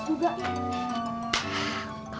ini juga pas juga